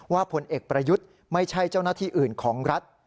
ผลเอกประยุทธ์ไม่ใช่เจ้าหน้าที่อื่นของรัฐ